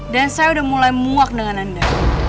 dan saya udah mulai muak dengan anda